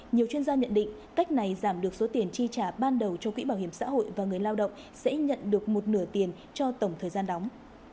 nhiều chuyên gia nhận định cách này giảm được số tiền chi trả ban đầu cho quỹ bảo hiểm xã hội và người lao động sẽ nhận được một nửa tiền cho tổng thời gian đóng